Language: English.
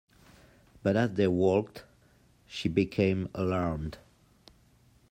But as they walked she became alarmed.